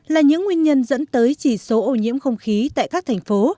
là những nguyên nhân dẫn tới chỉ số ô nhiễm không khí tại các thành phố